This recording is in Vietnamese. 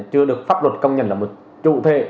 chưa được pháp luật công nhận là một trụ thể